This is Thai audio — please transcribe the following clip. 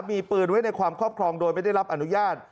มีปืนไว้ในความครอบครองโดยไม่ได้รับอนุญาต